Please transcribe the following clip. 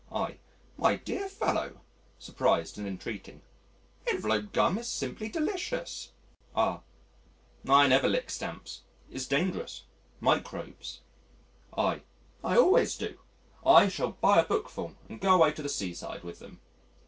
I: "My dear fellow" (surprised and entreating), "envelope gum is simply delicious." R.: "I never lick stamps it's dangerous microbes." I: "I always do: I shall buy a bookful and go away to the seaside with them."